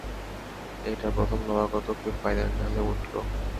এই প্রথম নবাগত কেউ ফাইনালে উঠল!